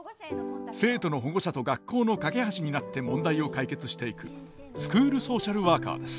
生徒の保護者と学校の架け橋になって問題を解決していくスクールソーシャルワーカーです。